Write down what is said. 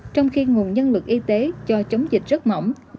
trong khi nguồn nhân lực y tế cho chống dịch rất mỏng